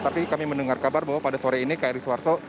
tapi kami mendengar kabar bahwa pada sore ini kri suharto